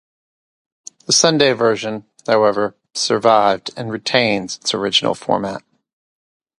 The Sunday version, however, survived, and retains its original format.